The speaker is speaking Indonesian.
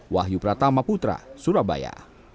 wahyu pratama putra surabaya